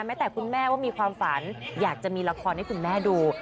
แต่คุณแม่ว่ามีความฝันอยากจะมีละครให้คุณแม่ดู